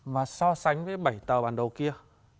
và so sánh với bảy tờ bản đồ kia